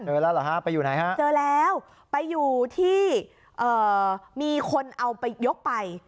แล้วเหรอฮะไปอยู่ไหนฮะเจอแล้วไปอยู่ที่เอ่อมีคนเอาไปยกไป